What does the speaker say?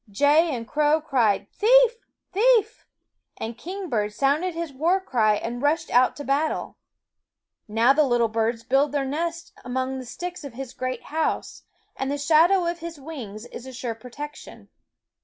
Jay and crow cried Thief ! thief ! and kingbird sounded his war cry and rushed out to THE WOODS 9 battle. Now the little birds build their nests among the sticks of his great house, and the shadow of his wings is a sure protection.